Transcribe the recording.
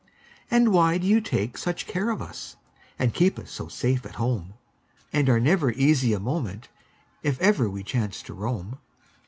And why do you take such care of us, And keep us so safe at home, And are never easy a moment If ever we chance to roam?